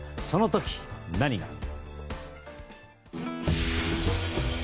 その時、何が。